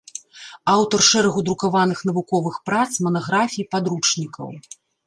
Аўтар шэрагу друкаваных навуковых прац, манаграфій, падручнікаў.